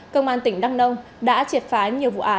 công an tỉnh đăng nông đã triệt phái nhiều loại tội phạm khác